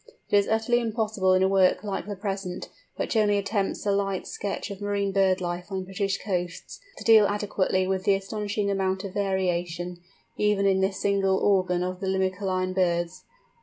It is utterly impossible in a work like the present, which only attempts a slight sketch of marine bird life on British coasts, to deal adequately with the astonishing amount of variation, even in this single organ of Limicoline birds.